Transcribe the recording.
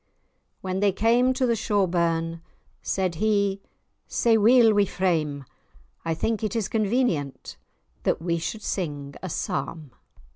When they came to the Shaw burn, Said he, "Sae weel we frame. I think it is convenient That we should sing a psalm."